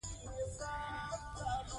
د وطن په مینه کې ډوب اوسئ.